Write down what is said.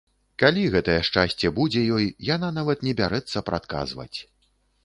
Калі гэтае шчасце будзе ёй, яна нават не бярэцца прадказваць.